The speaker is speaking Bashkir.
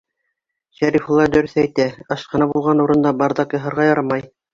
Шәрифулла дөрөҫ әйтә: ашхана булған урында бардак яһарға ярамай!